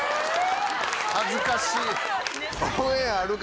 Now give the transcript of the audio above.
恥ずかしい！